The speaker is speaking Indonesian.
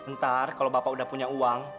ntar kalau bapak udah punya uang